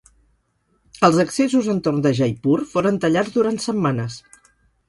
Els accessos entorn de Jaipur foren tallats durant setmanes.